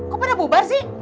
kok pada bubar sih